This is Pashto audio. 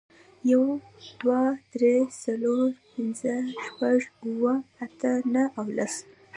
یو، دوه، درې، څلور، پینځه، شپږ، اووه، اته، نهه او لس